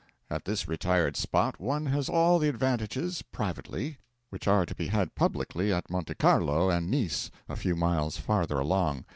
At this retired spot one has all the advantages, privately, which are to be had publicly at Monte Carlo and Nice, a few miles farther along.